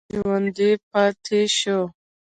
سړی ژوندی پاتې شو.